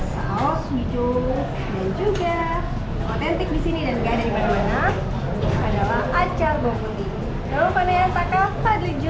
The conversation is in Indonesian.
saus hijau dan juga otentik di sini dan enggak ada dimana mana adalah acar bawang putih